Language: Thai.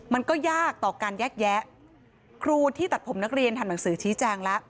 มันก็ยากต่อการแยกแยะครูที่ตัดผมนักเรียนทำหนังสือชี้แจงแล้ว